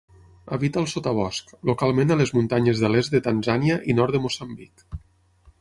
Habita el sotabosc, localment a les muntanyes de l'est de Tanzània i nord de Moçambic.